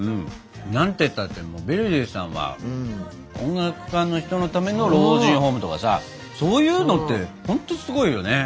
何てったってヴェルディさんは音楽家の人のための老人ホームとかさそういうのってほんとすごいよね！